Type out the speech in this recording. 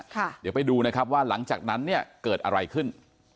เดี๋ยวไปดูนะครับว่าหลังจากนั้นเนี่ยเกิดอะไรขึ้น